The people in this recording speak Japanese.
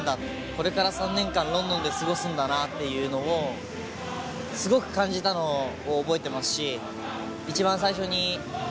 これから３年間ロンドンで過ごすんだなっていうのをすごく感じたのを覚えてますし。